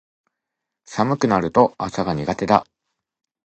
寒くなると朝が苦手だ